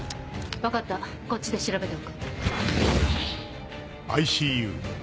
分かったこっちで調べておく。